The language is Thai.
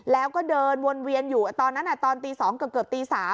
แล้วก็เดินวนเวียนอยู่ตอนนั้นอ่ะตอนตีสองเกือบเกือบตีสาม